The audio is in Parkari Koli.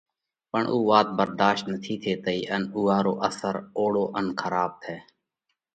پڻ اُو وات ڀرڌاشت نٿِي ٿيتئِي ان اُوئا رو اثر اوۯو ان کراٻ تئه۔